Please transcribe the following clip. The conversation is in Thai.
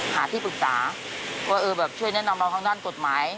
หาที่ปรึกษาว่าเออแบบช่วยแนะนำมาทางด้านกฎหมาย